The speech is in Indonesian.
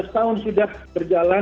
lima belas tahun sudah berjalan